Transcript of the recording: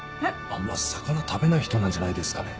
あんま魚食べない人なんじゃないですかね。